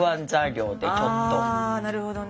あなるほどね。